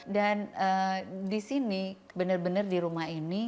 dan di sini benar benar di rumah ini